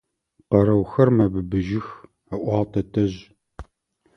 Къэрэухэр мэбыбыжьых, – ыӏуагъ тэтэжъ.